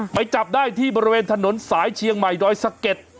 ไปจับได้ที่บริเวณถนนสายเชียงใหม่ดอยสะเก็ด